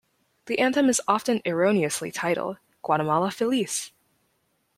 The anthem is often erroneously titled Guatemala Feliz!